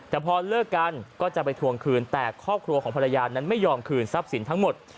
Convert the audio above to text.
แต่พอเลิกกันก็จะไปทวงคืนแต่ครอบครัวของภรรยานั้นไม่ยอมคืนทรัพย์สินทั้งหมด